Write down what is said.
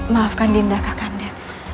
maafkan dinda kakanda